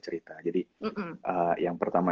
cerita jadi yang pertama